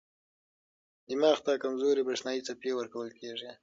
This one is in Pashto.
دماغ ته کمزورې برېښنايي څپې ورکول کېږي.